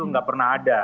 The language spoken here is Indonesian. tidak pernah ada